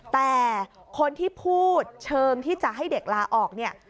แต่คนที่พูดเชิงที่จะให้เด็กลาออกเนี่ย